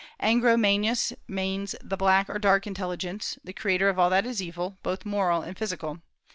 Angro Mainyus means the black or dark intelligence, the creator of all that is evil, both moral and physical.